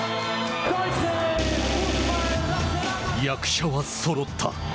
役者はそろった。